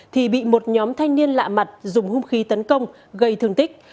thì bị một nhóm thanh niên lạ mặt dùng hung khí tấn công gây thương tích